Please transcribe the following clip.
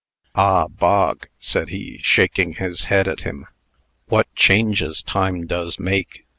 "Ah, Bog," said he, shaking his head at him, "what changes Time does make!